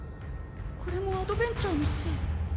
これもアドベン茶のせい？